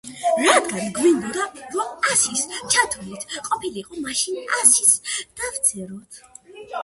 რადგან გვინდოდა რომ ასის ჩათვლით ყოფილიყო, მაშინ ასიც დავწეროთ.